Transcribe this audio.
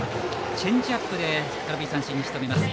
チェンジアップで空振り三振にしとめます。